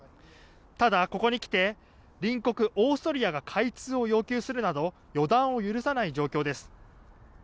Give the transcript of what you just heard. ただ、ここに来て隣国オーストリアが開通を要求するなど予断を許さない状況です。